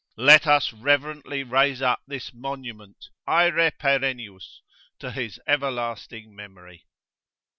Let us reverently raise up this "Monument," aere perennius, to his everlasting memory.